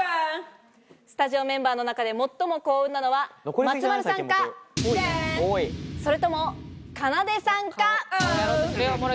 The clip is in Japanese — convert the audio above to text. スタジオメンバーの中で最も幸運なのは松丸さんか、それとも、かなでさんか。